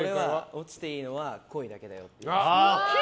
落ちていいのは恋だけだよって言いました。